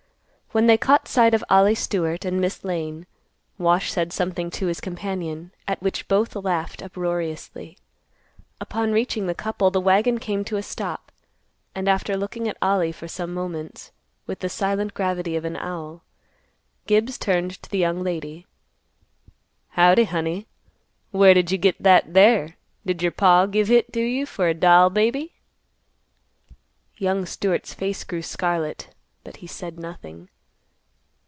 When they caught sight of Ollie Stewart and Miss Lane, Wash said something to his companion, at which both laughed uproariously. Upon reaching the couple, the wagon came to a stop, and after looking at Ollie for some moments, with the silent gravity of an owl, Gibbs turned to the young lady, "Howdy, honey. Where did you git that there? Did your paw give hit to you fer a doll baby?" Young Stewart's face grew scarlet, but he said nothing.